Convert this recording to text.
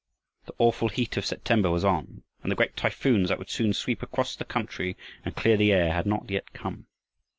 The awful heat of September was on, and the great typhoons that would soon sweep across the country and clear the air had not yet come.